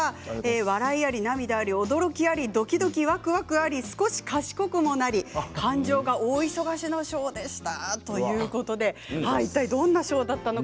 笑いあり涙あり驚きありドキドキわくわくがあり、少し賢くもなり感情が大忙しのショーでした。